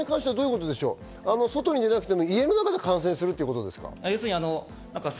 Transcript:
外に出なくても、家の中で感染するということですか？